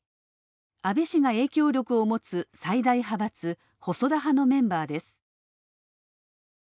安倍氏が影響力を持つ最大派閥細田派のメンバーです。